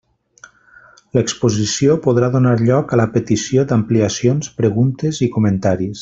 L'exposició podrà donar lloc a la petició d'ampliacions, preguntes i comentaris.